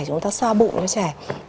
chúng ta so bụng cho trẻ